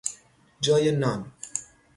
جای نان